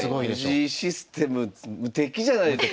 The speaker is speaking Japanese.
藤井システム無敵じゃないですか。